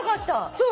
そう。